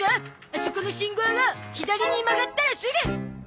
あそこの信号を左に曲がったらすぐ。